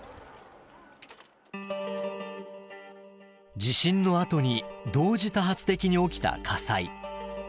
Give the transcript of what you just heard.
地震のあとに同時多発的に起きた火災。